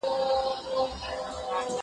که وخت وي، چپنه پاکوم!.